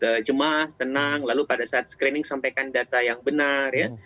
tercemas tenang lalu pada saat screening sampaikan data yang benar